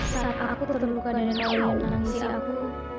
saat aku terluka dengan braunya yang menangisi aku